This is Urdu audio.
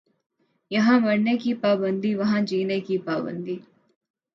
یہاں مرنے کی پابندی وہاں جینے کی پابندی